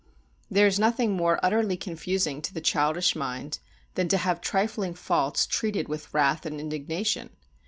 There is nothing more utterly confusing to the childish mind than to have trifling faults treated with wrath and indignation.